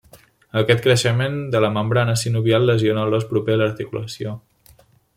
Aquest creixement de la membrana sinovial lesiona l'os proper a l'articulació.